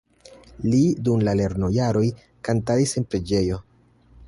Li dum la lernojaroj kantadis en preĝejo.